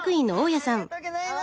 あありがとうギョざいます。